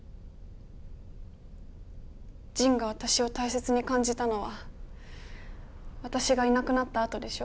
仁が私をたいせつに感じたのは私がいなくなったあとでしょ。